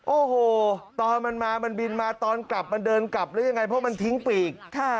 โอ้โหตอนมันมามันบินมาตอนกลับมันเดินกลับหรือยังไงเพราะมันทิ้งปีก